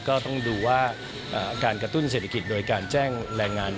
ก็ต้องดูว่าการกระตุ้นเศรษฐกิจโดยการแจ้งแรงงาน